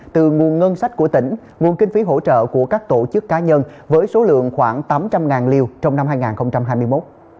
từ nguồn ngân sách của tỉnh nguồn kinh phí hỗ trợ của các tổ chức cá nhân với số lượng khoảng tám trăm linh liều trong năm hai nghìn hai mươi một